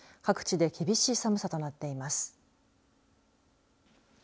各地で厳しい寒さとなっています。